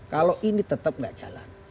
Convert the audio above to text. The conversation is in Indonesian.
kalau ini tetap nggak jalan